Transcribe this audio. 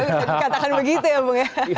dikatakan begitu ya bung ya